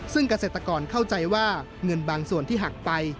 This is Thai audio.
ซึ่งเกษตรกรเข้าใจว่าเงินบางส่วนที่หักไป